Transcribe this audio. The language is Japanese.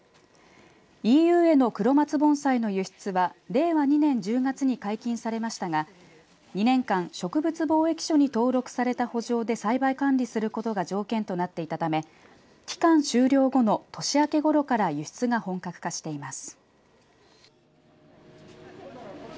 ＥＵへの黒松盆栽の輸出は令和２年１０月に解禁されましたが２年間、植物防疫所に登録されたほ場で栽培管理することが条件となっていたため期間終了後の年明けごろから輸出が本格化しています。